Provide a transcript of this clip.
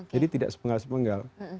jadi tidak sepenggal sepenggal